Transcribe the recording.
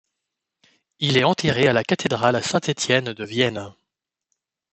Il est enterré à la cathédrale Saint-Étienne de Vienne.